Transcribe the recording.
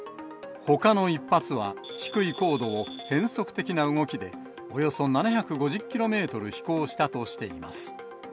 ほかの１発は、低い高度を変則的な動きで、およそ７５０キロメートル飛行したとしています。